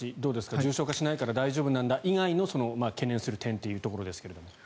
重症化しないから大丈夫なんだ、以外の懸念する点ということですが。